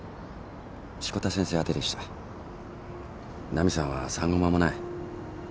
奈美さんは産後間もない。